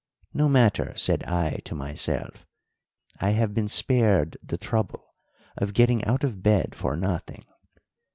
No matter, said I to myself, I have been spared the trouble of getting out of bed for nothing.